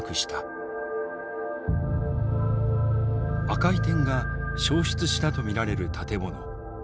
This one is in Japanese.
赤い点が焼失したと見られる建物。